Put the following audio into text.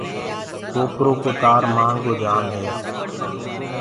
ڪوپرو ڪو تآر مآهنگو جآم هي۔